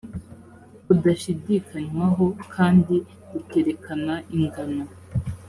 budashidikanywaho kandi rikerekana ingano